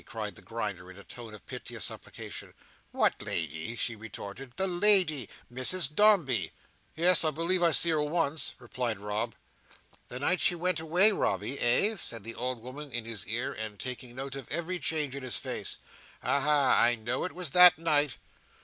cried the Grinder in a tone of piteous supplication. "What lady?" she retorted. "The lady; Mrs Dombey." "Yes, I believe I see her once," replied Rob. "The night she went away, Robby, eh?" said the old woman in his ear, and taking note of every change in his face. "Aha! I know it was that night."